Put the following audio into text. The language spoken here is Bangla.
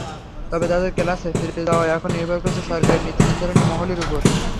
তবে তাঁদের ক্লাসে ফিরে যাওয়া এখন নির্ভর করছে সরকারের নীতিনির্ধারণী মহলের ওপর।